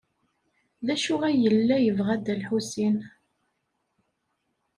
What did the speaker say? D acu ay yella yebɣa Dda Lḥusin?